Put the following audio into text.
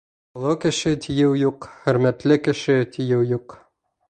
Оло кеше, тиеү юҡ, хөрмәтле кеше, тиеү юҡ.